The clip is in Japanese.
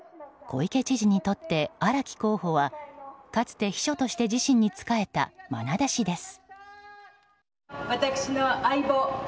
小池知事にとって荒木候補はかつて秘書として自身に仕えた愛弟子です。